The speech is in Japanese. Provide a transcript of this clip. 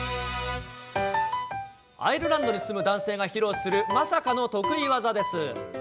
アイルランドに住む男性が披露するまさかの得意技です。